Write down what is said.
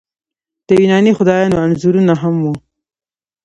د یوناني خدایانو انځورونه هم وو